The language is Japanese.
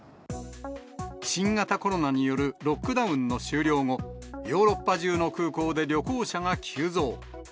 新型コロナによるロックダウンの終了後、ヨーロッパ中の空港で旅行者が急増。